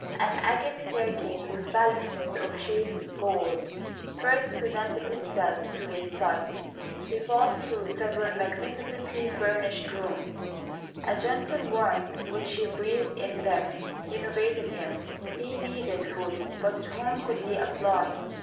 An agate staircase, with balusters of chased gold, first presented itself to his sight: he passed through several magnificently furnished rooms; a gentle warmth which he breathed in them renovated him. He needed food; but to whom could he apply?